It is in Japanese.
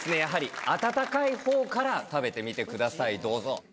やはり温かいほうから食べてみてくださいどうぞ。